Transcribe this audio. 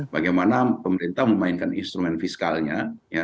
bagaimana pemerintah memainkan instrumen fiskalnya